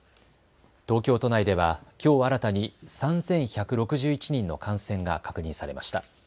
東京都内ではきょう新たに３１６１人の感染が確認されました。